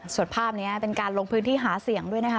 ส่วนภาพนี้เป็นการลงพื้นที่หาเสียงด้วยนะคะ